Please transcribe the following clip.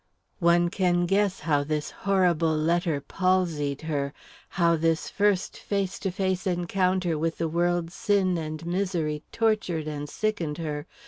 One can guess how this horrible letter palsied her; how this first face to face encounter with the world's sin and misery tortured and sickened her.